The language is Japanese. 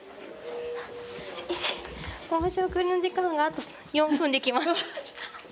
申し送りの時間があと４分で来ます。